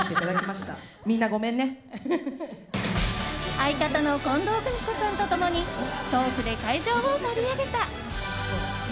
相方の近藤くみこさんと共にトークで会場を盛り上げた。